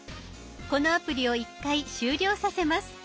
このアプリを一回終了させます。